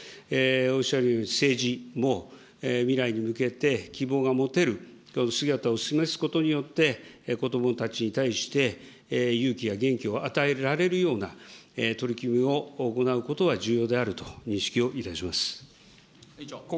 おっしゃるように政治も、未来に向けて希望が持てる姿を示すことによって、子どもたちに対して勇気や元気を与えられるような取り組みを行うことは重要であると認識をいたします。